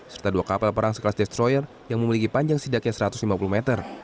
serta dua kapal perang sekelas destroyer yang memiliki panjang sidaknya satu ratus lima puluh meter